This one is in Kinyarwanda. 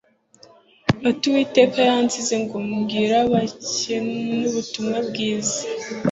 ati Uwiteka yansTze ngo mbgirabakenubutumwa bgiza